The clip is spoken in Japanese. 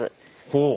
ほう。